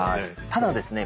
ただですね